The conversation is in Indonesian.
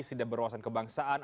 tidak berwawasan kebangsaan